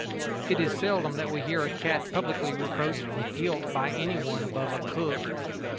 It is seldom that we hear a cat publicly reproached with guilt by anyone above a cook.